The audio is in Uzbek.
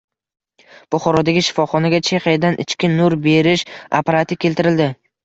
Buxorodagi shifoxonaga Chexiyadan ichki nur berish apparati keltirildi